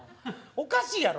おかしいやろ。